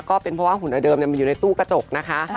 ก็เป็นเพราะว่าหุ่นเดิมมันอยู่ในตู้กระจกนะคะ